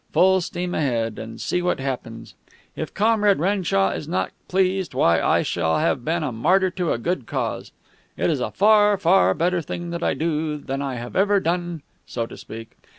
Full steam ahead, and see what happens. If Comrade Renshaw is not pleased, why, I shall have been a martyr to a good cause. It is a far, far better thing that I do than I have ever done, so to speak.